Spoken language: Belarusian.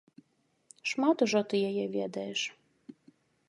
Шмат ужо ты яе ведаеш.